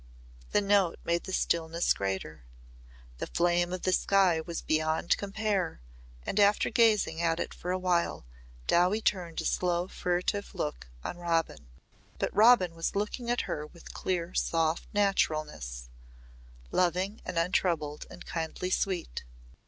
The note made the stillness greater. The flame of the sky was beyond compare and, after gazing at it for a while, Dowie turned a slow furtive look on Robin. But Robin was looking at her with clear soft naturalness loving and untroubled and kindly sweet.